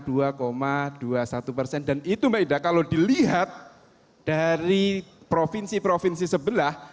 dan itu maida kalau dilihat dari provinsi provinsi sebelah